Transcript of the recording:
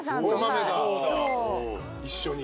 一緒に。